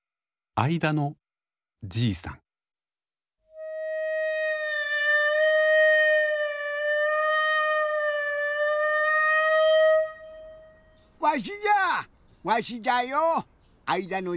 あいだのじいさんじゃよ。